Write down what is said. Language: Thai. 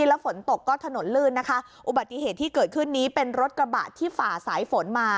แล้วฝนตกก็ถนนลื่นนะคะอุบัติเหตุที่เกิดขึ้นนี้เป็นรถกระบะที่ฝ่าสายฝนมา